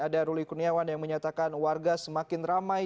ada ruli kurniawan yang menyatakan warga semakin ramai